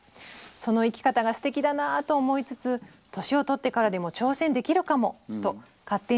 その生き方がすてきだなと思いつつ年をとってからでも挑戦できるかもと勝手に勇気を頂きました。